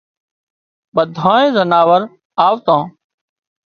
ٻڌانئي زناور آوتان